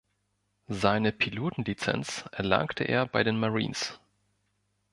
Seine Pilotenlizenz erlangte er bei den Marines.